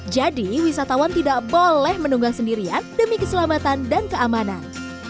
jadi wisatawan tidak boleh menunggang sendirian demi keselamatan dan keamanan